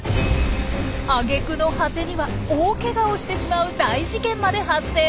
挙句の果てには大ケガをしてしまう大事件まで発生！